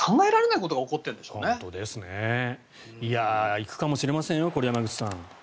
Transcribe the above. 行くかもしれませんよ山口さん。